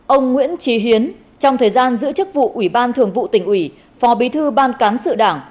ông nguyễn trí hiến trong thời gian giữ chức vụ ủy ban thường vụ tỉnh ủy phó bí thư ban cán sự đảng